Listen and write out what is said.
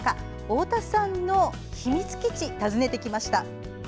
太田さんの秘密基地に訪ねてきました。